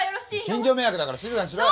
近所迷惑だから静かにしろよ！